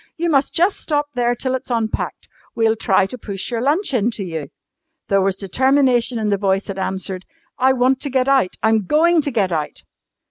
You must just stop there till it's unpacked. We'll try to push your lunch in to you." There was determination in the voice that answered, "I want to get out! I'm going to get out!"